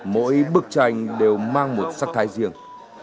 mỗi bức tranh đều mang một sắc thái riêng